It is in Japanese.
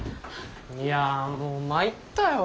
いやもう参ったよ